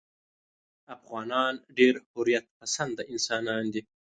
افغانان ډېر حریت پسنده انسانان دي.